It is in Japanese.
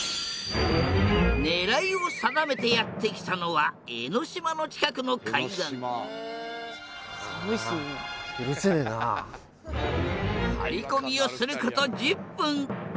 狙いを定めてやって来たのは江ノ島の近くの海岸張り込みをすること１０分。